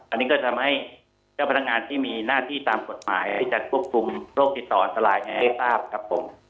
อันนี้จะทำให้เจ้าพนักงานที่มีหน้าที่ตามกฎหมายรวบคุมโรคติดต่อตลายมาให้ทราบ